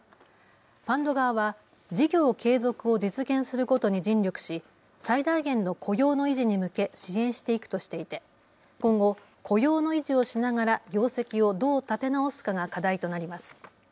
ファンド側は事業継続を実現することに尽力し最大限の雇用の維持に向け支援していくとしていて今後、雇用の維持をしながら業績をどう立て直すかが課題となります。